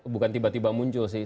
bukan tiba tiba muncul sih